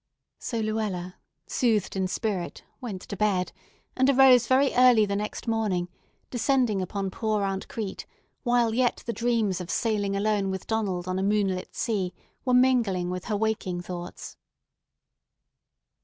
So Luella, soothed in spirit, went to bed, and arose very early the next morning, descending upon poor Aunt Crete while yet the dreams of sailing alone with Donald on a moonlit sea were mingling with her waking thoughts.